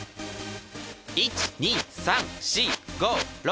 １２３４５６。